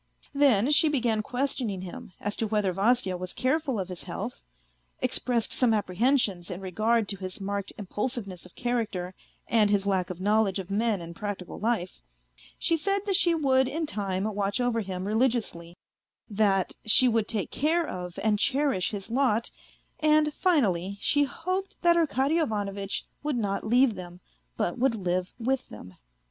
Then she began questioning him as to whether Vasya was careful of his health, expressed some 172 A FAINT HEART apprehensions in regard to his marked impulsiveness of character, and his lack of knowledge of men and practical life ; she said that she would in time watch over him religiously, that she would take care of and cherish his lot, and finally, she hoped that Arkady Ivanovitch would not leave them, but would live with them.